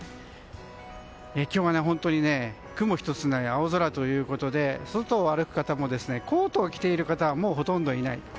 今日は本当に雲１つない青空ということで外を歩く方もコートを着ている方はほとんどいない。